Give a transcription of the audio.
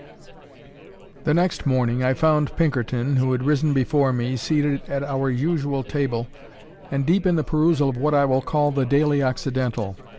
The next morning I found Pinkerton, who had risen before me, seated at our usual table, and deep in the perusal of what I will call the Daily Occidental.